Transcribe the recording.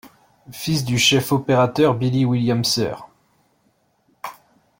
Fils du chef opérateur Billy Williams Sr.